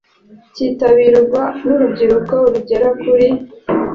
cyitabirwa n urubyiruko rugera kuri